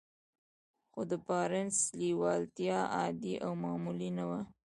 خو د بارنس لېوالتیا عادي او معمولي نه وه.